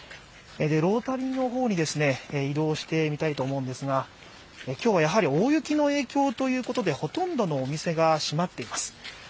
ロータリーの方に移動してみたいと思うんですが、今日はやはり大雪の影響ということで、ほとんどのお店が閉まっています。